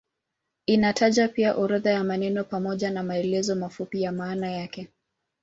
Inataja pia orodha ya maneno pamoja na maelezo mafupi ya maana yake.